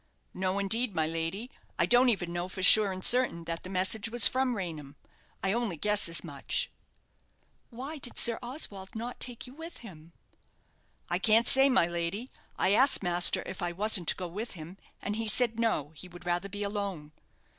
"No, indeed, my lady. I don't even know for sure and certain that the message was from Raynham. I only guess as much." "Why did not Sir Oswald take you with him?" "I can't say, my lady. I asked master if I wasn't to go with him, and he said, 'No, he would rather be alone.'"